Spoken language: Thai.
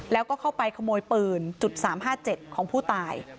แล้วก็เข้าไปขโมยปืน๓๕๗ของผู้ตาย